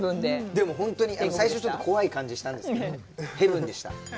でも本当に最初怖い感じがしたんですけど、ヘブンでした。